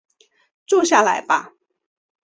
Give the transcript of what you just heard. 住下来吧